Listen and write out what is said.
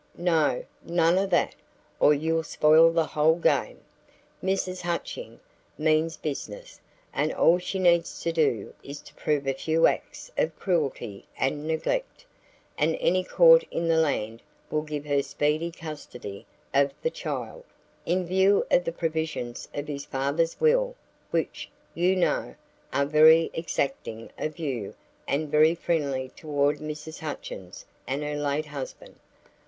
"No, none of that, or you'll spoil the whole game. Mrs. Hutching means business, and all she needs to do is to prove a few acts of cruelty and neglect, and any court in the land will give her speedy custody of the child, in view of the provisions of his father's will, which, you know, are very exacting of you and very friendly toward Mrs. Hutchins and her late husband.